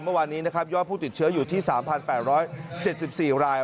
เมื่อว่านี้ย่อผู้ติดเชื้ออยู่ที่๓๘๗๔ราย